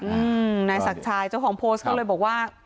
อืมนายศักดิ์ชายเจ้าของโพสต์ก็เลยบอกว่า